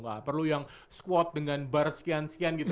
nggak perlu yang squat dengan bar sekian sekian gitu